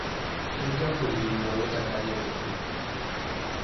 Tojja kuliyirirwa olw'ettaka ly'oluguudo.